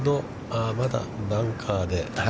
まだバンカーで。